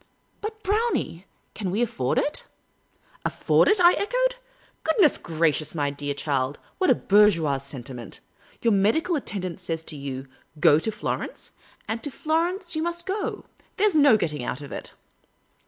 " But, Brownie, can we afford it ?"" Afford it ?" I echoed. " Goodness gracious, my dear child, what a bourgeois sentiment ! Your medical attendant says to you, ' Go to Florence '; and to Florence you must go ; there 's no getting out of it.